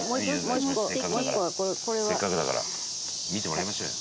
せっかくだから見てもらいましょうよ。